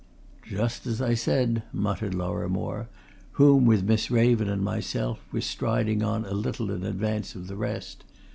"Just as I said," muttered Lorrimore, whom with Miss Raven and myself, was striding on a little in advance of the rest.